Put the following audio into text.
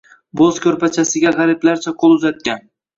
Bo'z ko'rpachasiga g'ariblarcha qo'l uzatgan